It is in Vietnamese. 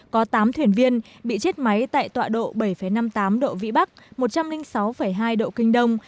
có tám thuyền viên bị chết máy tại tọa độ bảy năm mươi tám độ vĩ bắc một trăm linh sáu hai độ kinh đông